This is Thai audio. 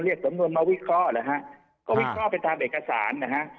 สำนวนมาวิเคราะห์นะฮะก็วิเคราะห์ไปตามเอกสารนะฮะ